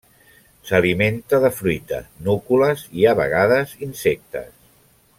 S'alimenta de fruita, núcules i, a vegades, insectes.